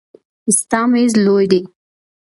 ستا میز لوی دی.